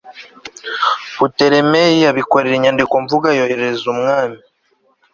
putolemeyi abikorera inyandikomvugo ayoherereza umwami